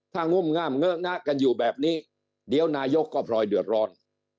ถ้างุ่มงามเงอะงะกันอยู่แบบนี้เดี๋ยวนายกก็พลอยเดือดร้อน